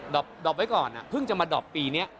อบไว้ก่อนเพิ่งจะมาดอบปีนี้